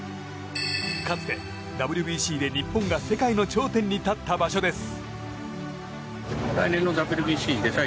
かつてＷＢＣで日本が世界の頂点に立った場所です。